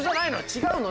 違うの？